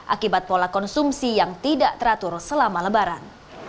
akibat pola konsumsi yang tidak teratur selama lebaran